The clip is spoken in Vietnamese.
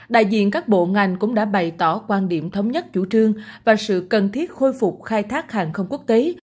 đại diện các bộ ngành cũng đã bày tỏ quan điểm thống nhất chủ trương và sự cần thiết khôi phục khai thác hàng không quốc tế